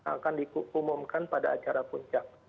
akan diumumkan pada acara puncak